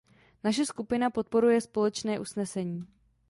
Naše skupina podporuje společné usnesení.